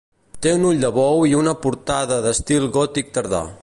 Té un ull de bou i una portada d'estil gòtic tardà.